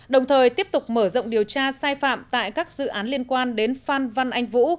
đồng thời tiếp tục mở rộng điều tra sai phạm tại các dự án liên quan đến phan văn anh vũ